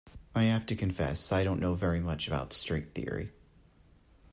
I have to confess I don't know very much about string theory.